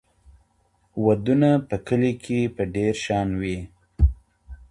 ودونه په کلي کې په ډېر شان وي.